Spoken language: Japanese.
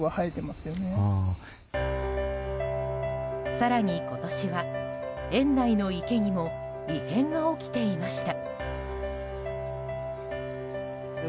更に今年は園内の池にも異変が起きていました。